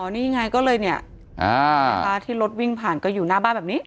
นี่ไงก็เลยเนี่ยนะคะที่รถวิ่งผ่านก็อยู่หน้าบ้านแบบนี้